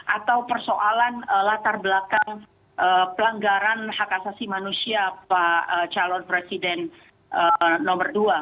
atau persoalan latar belakang pelanggaran hak asasi manusia pak calon presiden nomor dua